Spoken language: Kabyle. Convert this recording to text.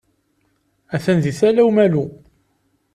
Atan di Tala Umalu.